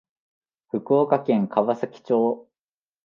福岡県川崎町